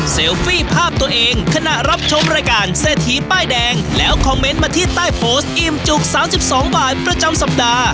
ฟี่ภาพตัวเองขณะรับชมรายการเศรษฐีป้ายแดงแล้วคอมเมนต์มาที่ใต้โพสต์อิ่มจุก๓๒บาทประจำสัปดาห์